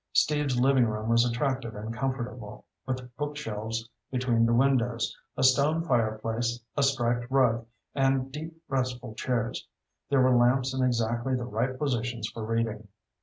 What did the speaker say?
Steve's living room was attractive and comfortable, with bookshelves between the windows, a stone fireplace, a striped rug, and deep, restful chairs. There were lamps in exactly the right positions for reading.